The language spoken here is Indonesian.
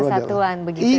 kesatuan begitu ya